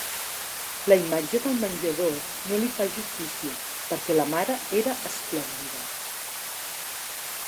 La imatge del menjador no li fa justícia, perquè la mare era esplèndida.